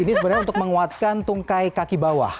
ini sebenarnya untuk menguatkan tungkai kaki bawah